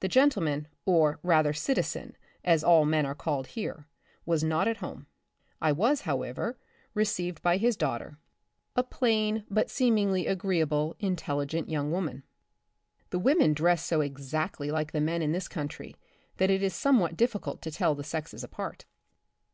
The gentleman, or rather citizen, as all men are called here, was not at home. I was, however, received by his 26 The Republic of the Future, daughter, a plain but seemingly agreeable, in telligent young woman. The women dress so exactly like the men in this country that it is somewhat difficult to tell the sexes apart.